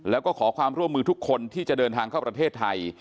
แล้วก็ขอความร่วมมือทุกคนที่จะเดินทางเข้าประเทศไทย